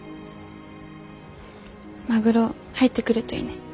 マグロ入ってくるといいね。